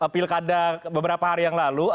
pilkada beberapa hari yang lalu